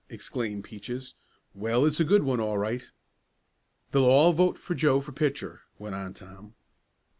exclaimed Peaches. "Well, it's a good one all right." "They'll all vote for Joe for pitcher," went on Tom.